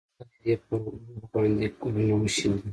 خدای دې یې پر روح باندې ګلونه وشیندي.